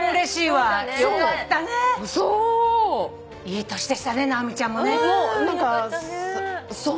いい年でしたね直美ちゃんもね。よかったね。